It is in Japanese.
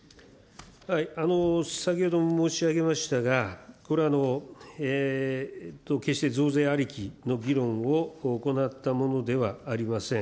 先ほども申し上げましたが、これは、決して増税ありきの議論を行ったものではありません。